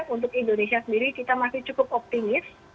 untuk indonesia sendiri kita masih cukup optimis